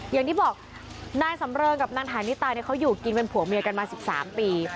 อย่างที่บอกนายสำเริงกับนางฐานิตาเนี่ยเขาอยู่กินเป็นผัวเมียกันมา๑๓ปี